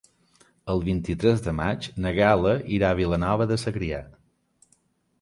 El vint-i-tres de maig na Gal·la irà a Vilanova de Segrià.